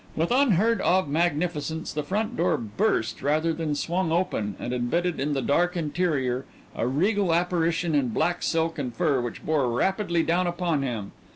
With unheard of magnificence the front door burst rather than swung open, and admitted in the dark interior a regal apparition in black silk and fur which bore rapidly down upon him.